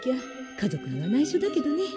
家族にはないしょだけどね。